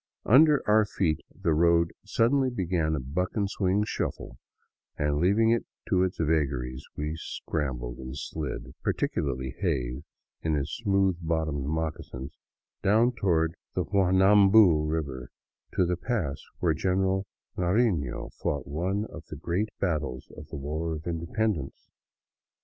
Under our feet the road suddenly began a buck and wing shuffle, and leaving it to its vagaries we scrambled and slid — particularly Hays in his smooth bottomed moccasins — down toward the Juanambu river, to the pass where General Narifio fought one of the great battles of the war of independence.